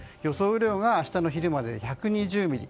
雨量が明日の昼までで１２０ミリ。